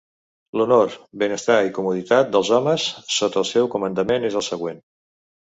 L'honor, benestar i comoditat dels homes sota el seu comandament és el següent.